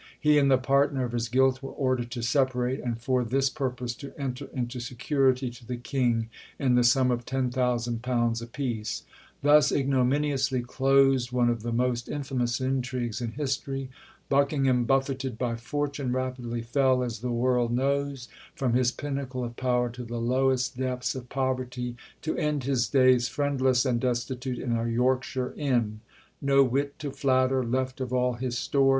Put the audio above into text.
He and the partner of his guilt were ordered to separate; and for this purpose to enter into security to the King in the sum of £10,000 apiece. Thus ignominiously closed one of the most infamous intrigues in history. Buckingham, buffeted by fortune, rapidly fell, as the world knows, from his pinnacle of power to the lowest depths of poverty, to end his days, friendless and destitute, in a Yorkshire inn. "No wit, to flatter, left of all his store!